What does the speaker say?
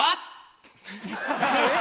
えっ？